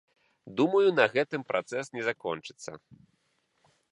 Думаю, на гэтым працэс не закончыцца.